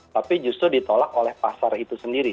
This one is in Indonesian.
tapi justru ditolak oleh pasar itu sendiri